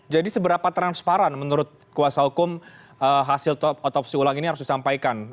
jadi seberapa transparan menurut kuasa hukum hasil otopsi ulang ini harus disampaikan